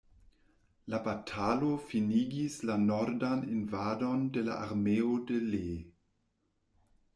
La batalo finigis la nordan invadon de la armeo de Lee.